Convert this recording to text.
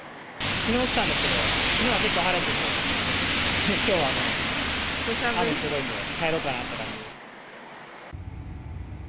きのう来たんですけど、きのうは結構晴れてて、きょうは雨すごいんで、帰ろうかなって感じです。